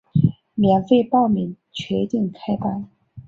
免费报名，确定开班